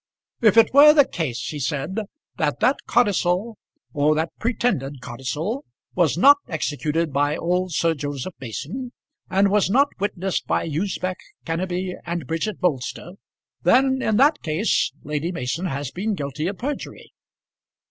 "If it were the case," he said, "that that codicil or that pretended codicil, was not executed by old Sir Joseph Mason, and was not witnessed by Usbech, Kenneby, and Bridget Bolster, then, in that case, Lady Mason has been guilty of perjury."